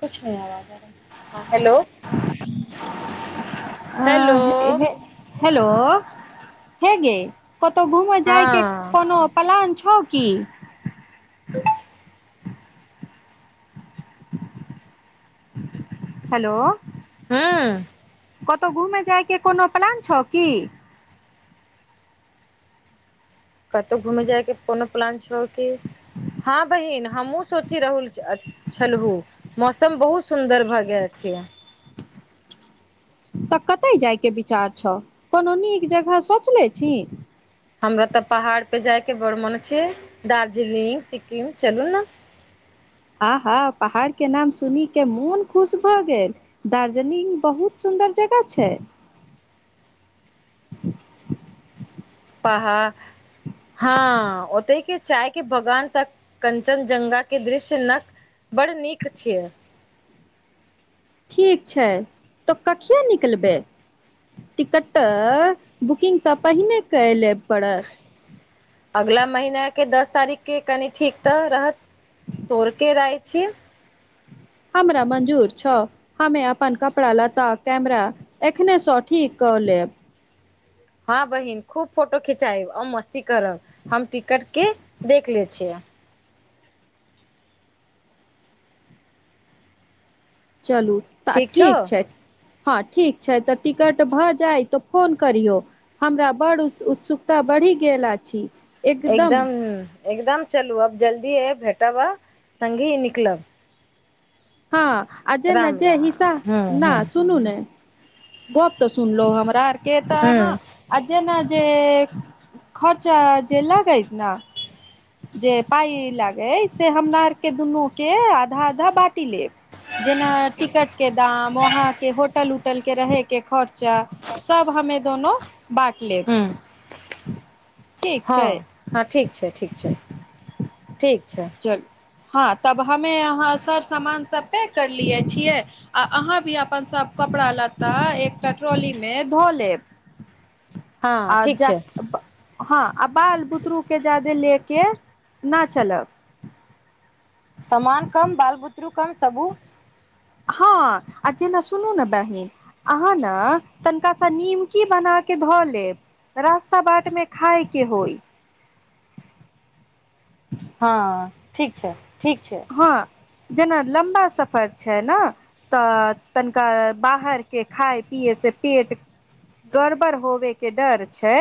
कुछ नहि आवाज आ रहैय ह हेलो, अ हेलो हे हेलो, हां गे कतहु घूमय जायके हँ कोनो पलान छौ की? हेलो। हुं। कतहु घूमय जायके कोनो प्लान छौ की? कतहु घुमै जायके कोनो प्लान छौ कि, हँ बहिन हमहुूँ सोचि रहल छी। छलहु, मौसम बहुत सुन्दर भ गेल छै। त कतय जायके विचार छौ, कोनो नीक जगह सोचले छी। हमरा त पहाड़ पर जायके बड़ मन छै, दार्जिलिंग सिक्किम चलु न आहा पहाड़ के नाम सुन के मोन खुश भ गेल। दार्जलिंग बहुत सुन्दर जगह छै। पहाड़ हँ ओतय के चाय के बगान त कञ्चनजंगा के दृश्य ना बड़ नीक छै। ठीक छै त कहिया निकलबै? टिकट बुकिंग त पहिने करय लए पड़त। अगला महीना के दस तारीख के कनि ठीक त रहत, तोड़ के राय छियै। हमरा मंजूर छौ। हमे अपन कपड़ा लता कैमरा एखने स ठीक क लेब। हँ बहिन खूब फोटो खिचायब मस्ती करब, हम टिकट के देख लै छियै। चलू त ठीक छै। हँ ठीक छै त टिकट भ जाय त फोन करियौ। हमरा बड़ उत्सुकता बढ़ि गेल अछि। एकदम, एकदम चलू आब जल्दीये भेटब आ संगहि निकलब। हँ आ जेना राम जे हिस्सा, राम हूँ नै हूँ सुनू ने गप्प त सुनलो हमरा आरके तऽ अहाँ हुं। आ जेना जे खर्चा जे लागैत ने जे पाइ लागै से हमरा आरके दुनू के आधा आधा बांटि लेब। जेना टिकट के दाम वहाँंके होटल उटल के रहेके खर्चा। सब हमे दोनो बाँट लेब, हूँ ठीक छै। हँ हँ ठीक छै, ठीक छै। ठीक छै चलू हँ तब हमे अहाँ सर सामान सब पैक कर लियै छियै? आ अहाँ भी अपन सभ कपड़ा लत्ता एकटा ट्रोली मे ध लेब। हँ आ ठीक जा छै। हँ आ बाल बुतरू के ज्यादे ल क न चलब। समान कम बाल बुतरू कम सबहु। हँ आ कि ना सुनू ने बहिन अहाँ ने तनिका से नीमकी बना के ध लेब। रास्ता बाटमे खाइके होइ। हाँ। हाँ जेना लम्बा सफर छै ना। त तनिका बाहरके खाइ पियै से पेट गड़बड़ होबे के डर छै।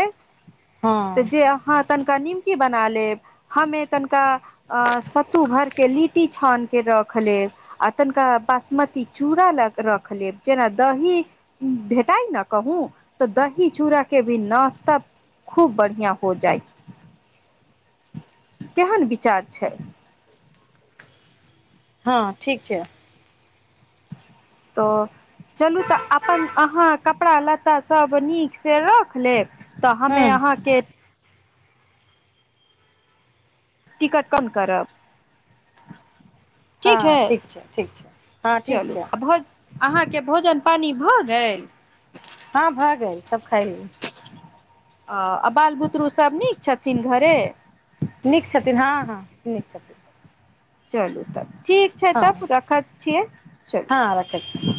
त हँ जे अहाँ तनिका नीमकी बना लेब, हमे तनिका आ सत्तू भरिके लिट्टी छानिके रख लेब। आ तनिका बासमती चूड़ा ल के रख लेब, जेना दही भेटाई न कहु त दही चूड़ा के भी नाश्ता खूब बढ़िआं हो जाइ। केहन विचार छै। हाँ ठीक छै। त चलू त अपन अहाँ कपड़ा लत्ता सब नीकसे रख लेब त हमे हूँ अहाँके टिकट कल करब। ठीक छै, हँ ठीक छै हँ ठीक चलू छै भ अहाँके भोजन पानि भ गेल? हाँ भ गेल सब खइली। ओ आ बाल बुतरू सभ नीक छथिन घरे। नीक छथिन हाँ हाँ नीक छथिन। चलू, तब ठीक छैय हँ तब रखैत छियै चलू। हँ रखै छी हँ